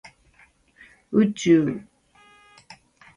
宇宙